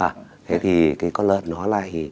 thế thì cái con lợn nó là